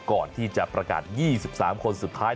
ก่อนที่จะประกาศ๒๓คนสุดท้าย